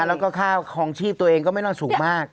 แล้วก็ค่าคลองชีพตัวเองก็ไม่น่าสูงมาก